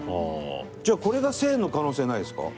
じゃあこれが１０００円の可能性はないですか？